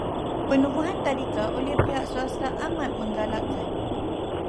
Penubuhan tadika oleh pihak swasta amat menggalakkan.